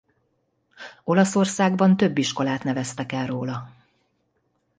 Olaszországban több iskolát neveztek el róla.